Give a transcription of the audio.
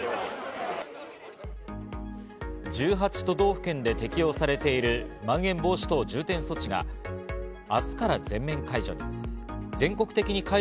１８都道府県で適用されている、まん延防止等重点措置が明日から全面解除に。